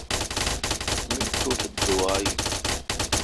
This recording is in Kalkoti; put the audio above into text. می تٹھ دعا این۔